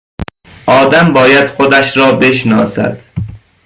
آدم باید خودش رابشناسد.